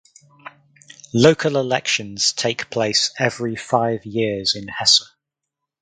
Local elections take place every five years in Hesse.